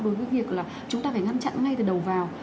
đối với việc là chúng ta phải ngăn chặn ngay từ đầu vào